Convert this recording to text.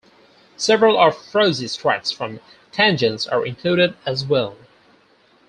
Several of Froese's tracks from "Tangents" are included as well.